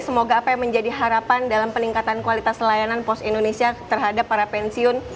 semoga apa yang menjadi harapan dalam peningkatan kualitas layanan pos indonesia terhadap para pensiun